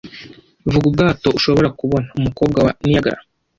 Vuga ubwato ushobora kubona Umukobwa wa Niagara